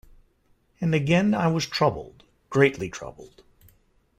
And again I was troubled — greatly troubled.